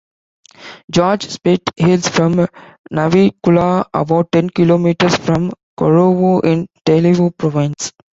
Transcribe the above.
George Speight hails from Naivicula, about ten kilometers from Korovou in Tailevu Province.